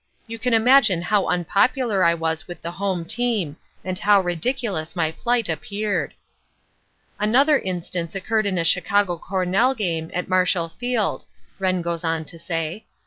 You can imagine how unpopular I was with the home team, and how ridiculous my plight appeared. "Another instance occurred in a Chicago Cornell game at Marshall Field," Wrenn goes on to say.